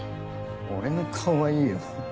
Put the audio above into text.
俺の顔はいいよ。